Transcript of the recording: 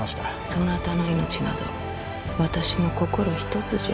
そなたの命など私の心ひとつじゃ。